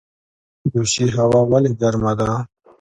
دوشي هوا ولې ګرمه ده؟